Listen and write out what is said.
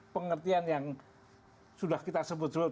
pengertian yang sudah kita sebut sebut